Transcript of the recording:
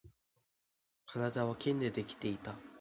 体は剣でできていた